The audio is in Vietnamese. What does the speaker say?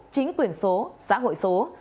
chính quyền số xã hội số